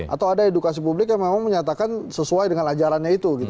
atau ada edukasi publik yang memang menyatakan sesuai dengan ajarannya itu gitu